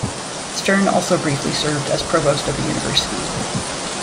Stern also briefly served as provost of the university.